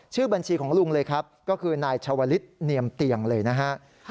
ชื่อบัญชีของลุงเลยครับก็คือนายชาวลิศเนียมเตียงเลยนะฮะ